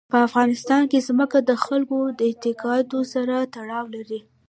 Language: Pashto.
په افغانستان کې ځمکه د خلکو د اعتقاداتو سره تړاو لري.